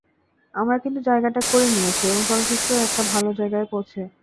আমরা কিন্তু জায়গাটা করে নিয়েছি এবং চলচ্চিত্রও একটা ভালো জায়গায় পৌঁছে।